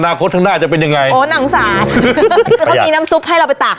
คดข้างหน้าจะเป็นยังไงโอ้หนังสารเขามีน้ำซุปให้เราไปตาก